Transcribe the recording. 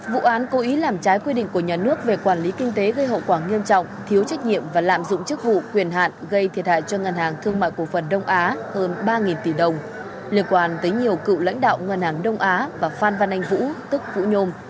vụ án cố ý làm trái quy định của nhà nước về quản lý kinh tế gây hậu quả nghiêm trọng thiếu trách nhiệm và lạm dụng chức vụ quyền hạn gây thiệt hại cho ngân hàng thương mại cổ phần đông á hơn ba tỷ đồng liên quan tới nhiều cựu lãnh đạo ngân hàng đông á và phan văn anh vũ tức vũ nhôm